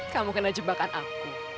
kamu kena jebakan aku